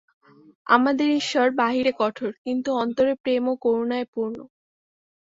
আমাদের ঈশ্বর বাহিরে কঠোর, কিন্তু অন্তরে প্রেম ও করুণায় পূর্ণ।